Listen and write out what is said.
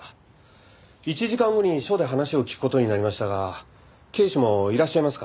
１時間後に署で話を聞く事になりましたが警視もいらっしゃいますか？